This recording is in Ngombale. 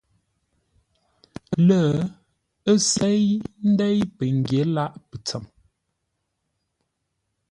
Lə́, ə́ séi ndéi pəgyě lâʼ pətsəm.